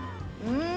うん。